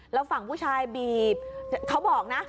แล้วฝั่งผู้ชายบีบเขาบอกนะ